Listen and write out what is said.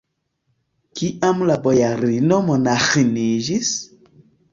Kiam la bojarino monaĥiniĝis?